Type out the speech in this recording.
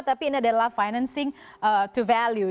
tapi ini adalah financing to value